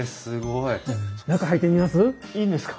いいんですか？